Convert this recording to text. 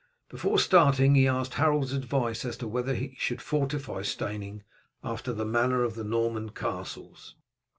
Before starting he asked Harold's advice as to whether he should fortify Steyning after the manner of the Norman castles.